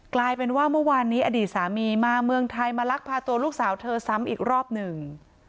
กลายเป็นว่าเมื่อวานนี้อดีตสามีมาเมืองไทยมาลักพาตัวลูกสาวเธอซ้ำอีกรอบหนึ่ง